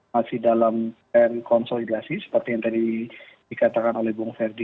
masih dalam konsolidasi seperti yang tadi dikatakan oleh bung ferdi